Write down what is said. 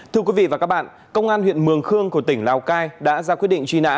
thưa quý vị và các bạn công an huyện mường khương của tỉnh lào cai đã ra quyết định truy nã